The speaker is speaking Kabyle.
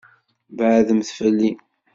Beɛɛdemt fell-i.